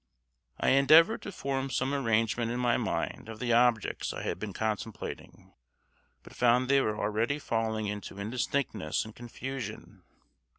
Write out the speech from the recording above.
I endeavored to form some arrangement in my mind of the objects I had been contemplating, but found they were already falling into indistinctness and confusion.